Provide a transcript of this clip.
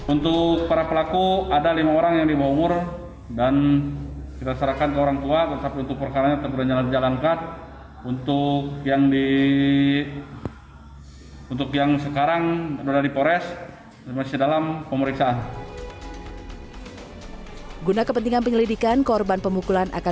untuk para pelaku ada lima orang yang di bawah umur dan kita serahkan ke orang tua